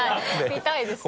見たいですね。